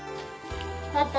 パパ。